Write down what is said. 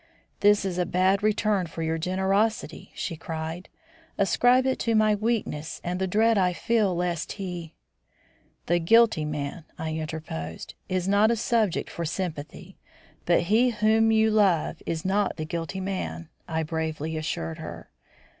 "This is a bad return for your generosity," she cried. "Ascribe it to my weakness and the dread I feel lest he " "The guilty man," I interposed, "is not a subject for sympathy. But he whom you love is not the guilty man," I bravely assured her.